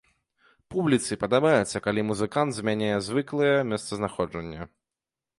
Публіцы падабаецца, калі музыкант змяняе звыклае месцазнаходжанне.